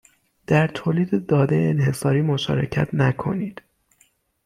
در تولید داده انحصاری مشارکت نکنید